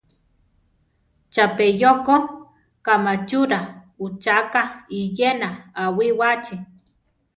Chapeyó ko kamáchura ucháka iyéna awiwáachi.